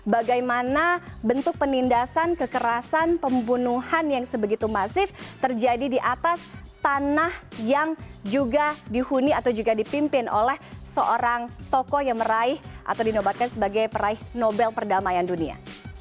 bagaimana bentuk penindasan kekerasan pembunuhan yang sebegitu masif terjadi di atas tanah yang juga dihuni atau juga dipimpin oleh seorang tokoh yang meraih atau dinobatkan sebagai peraih nobel perdamaian dunia